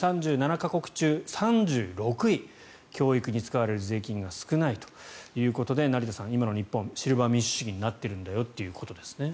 教育に使われる税金が少ないということで成田さん、今の日本シルバー民主主義になっているんだよということですね。